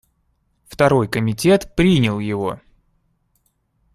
Второй комитет принял его.